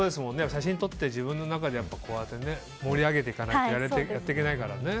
写真を撮って自分の中で盛り上げていかないとやっていけないからね。